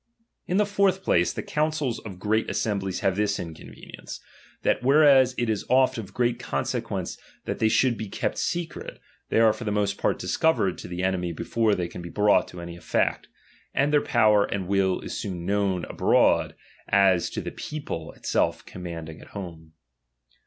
In the fourth place, the counsels of great assemblies have this inconveuience ; that whereas 't is oft of great consequence that they should be l^ept secret, they are for the most part discovered to the enemy before they can be brought to any effect ; and their power and will is as soou known abroad, as to the people itself commanding at Home.